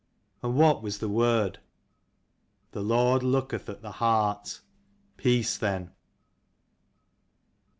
And what was the word ? The Lord looketh at the heart. Peace, then.